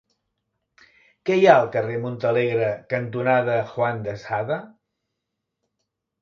Què hi ha al carrer Montalegre cantonada Juan de Sada?